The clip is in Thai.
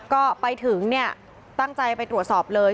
ก็ไปถึงเนี่ยตั้งใจไปตรวจสอบเลย